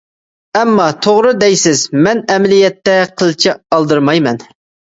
ئەمما توغرا دەيسىز، مەن ئەمەلىيەتتە قىلچە ئالدىرىمايمەن.